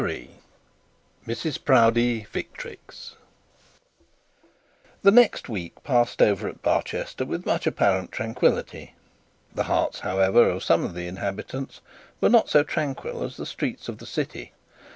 CHAPTER XXXIII MRS PROUDIE VICTRIX The next week passed over at Barchester with much apparent tranquillity. The hearts, however, of some of the inhabitants were not so tranquil as the streets of the city.